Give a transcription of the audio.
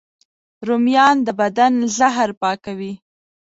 رومیان د بدن زهر پاکوي